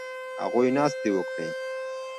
هغوی ناستې وکړې